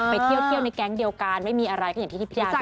ไปเที่ยวในแก๊งเดียวกันไม่มีอะไรก็อย่างที่ทิพยาบอก